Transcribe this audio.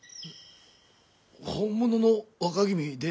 本物の若君で？